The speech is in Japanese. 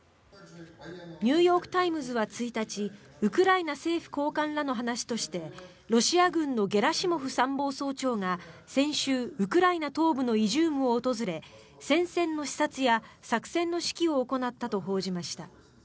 ニューヨーク・タイムズは１日ウクライナ政府高官らの話としてロシア軍のゲラシモフ参謀総長が先週、ウクライナ東部のイジュームを訪れ戦線の視察や作戦の指揮を行ったと報じました。